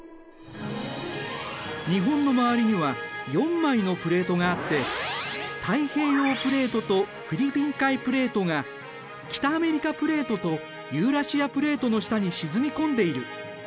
日本の周りには４枚のプレートがあって太平洋プレートとフィリピン海プレートが北アメリカプレートとユーラシアプレートの下に沈み込んでいる。